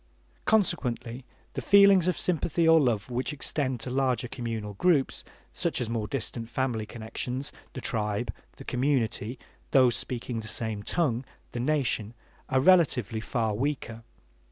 Consequently the feelings of sympathy or love which extend to larger communal groups, such as more distant family connections, the tribe, the community, those speaking the same tongue, the nation, are relatively far weaker.